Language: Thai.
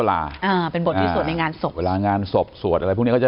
เวลาเริ่มที่จะในงานสมบัติ